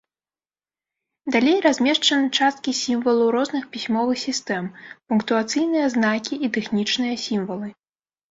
Далей размешчаны часткі сімвалаў розных пісьмовых сістэм, пунктуацыйныя знакі і тэхнічныя сімвалы.